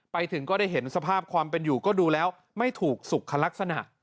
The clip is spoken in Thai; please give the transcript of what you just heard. ไปถึงก็ได้เห็นสภาพความเป็นอยู่ก็ดูแล้วไม่ถูกสุขลักษณะ